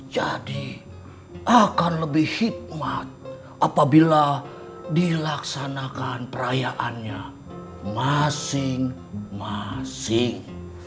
akan lebih hikmat apabila dilaksanakan perayaannya masing masing